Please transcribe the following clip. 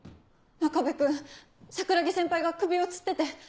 真壁君桜樹先輩が首を吊ってて。